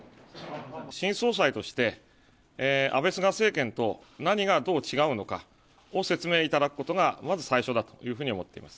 新総裁として、安倍・菅政権と何がどう違うのかを説明いただくことがまず最初だというふうに思っています。